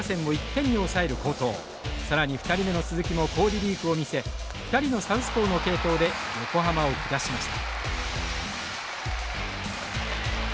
更に２人目の鈴木も好リリーフを見せ２人のサウスポーの継投で横浜を下しました。